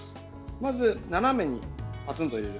まず、斜めにパツンと入れる。